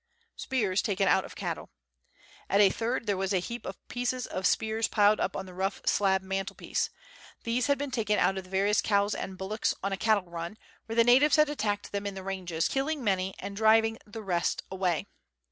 Spears taken out of Cattle. At a third, there was a heap of pieces of spears piled up on the rough slab mantelpiece. These had been taken out of various cows and bullocks, on a cattle run, where the natives had attacked them in the ranges, killing many and driving the rest away.